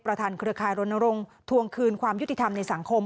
ประธานเครือคายโรนโรงทวงคืนความยุติธรรมในสังคม